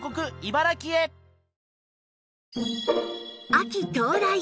秋到来！